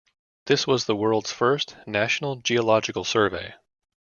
This was the world's first national geological survey.